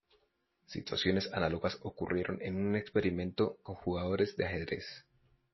Situaciones análogas ocurrieron en un experimento con jugadores de ajedrez.